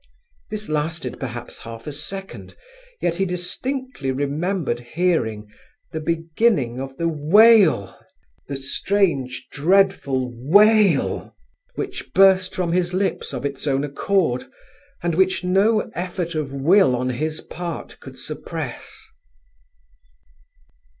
This lasted perhaps half a second, yet he distinctly remembered hearing the beginning of the wail, the strange, dreadful wail, which burst from his lips of its own accord, and which no effort of will on his part could suppress.